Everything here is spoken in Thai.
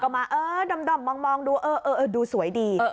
ก็มาด่อมมองดูดูสวยดี